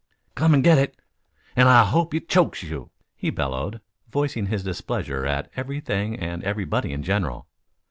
"Come and get it. And I hope it chokes you!" he bellowed, voicing his displeasure at everything and everybody in general.